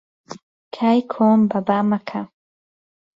کای کۆن بەبا مەکە